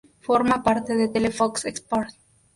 Forma parte de Telefe-Fox Sports.